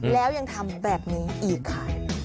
แล้วยังทำแบบนี้อีกค่ะ